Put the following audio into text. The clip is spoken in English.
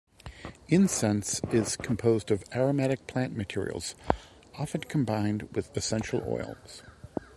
Incense is composed of aromatic plant materials, often combined with essential oils.